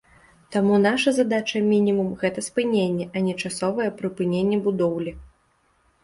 Таму наша задача мінімум, гэта спыненне, а не часовае прыпыненне будоўлі.